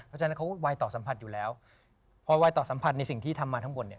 เพราะฉะนั้นเขาไวต่อสัมผัสอยู่แล้วพอไวต่อสัมผัสในสิ่งที่ทำมาทั้งบน